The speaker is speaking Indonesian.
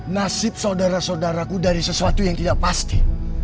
nasib saudara saudaraku dari sesuatu yang tidak pasti